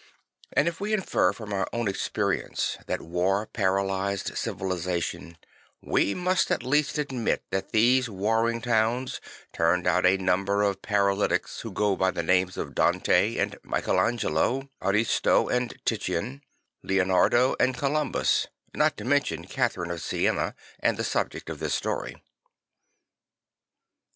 And if we infer from our own experience that \var paralysed civilisation, we must at least admit that these warring towns turned out a number of paralytics who go by the names of Dante and 1Iichael Angelo, Ariosto and Titian, Leonardo and Columbus, not to mention Catherine of Siena and the subject of this story.